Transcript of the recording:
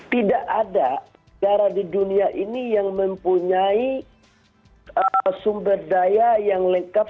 tidak ada negara di dunia ini yang mempunyai sumber daya yang lengkap